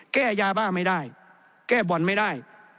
แก้ยาบ้าไม่ได้แก้บ่อนไม่ได้